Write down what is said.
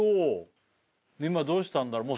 今どうしたんだろう？